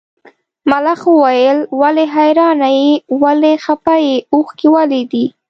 ملخ وویل ولې حیرانه یې ولې خپه یې اوښکي ولې دي.